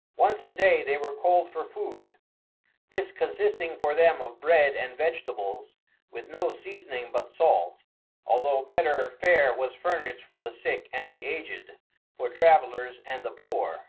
] Once a day they were called to food; this consisting for them of bread and vegetables with no seasoning but salt, although better fare was furnished for the sick and the aged, for travellers and the poor.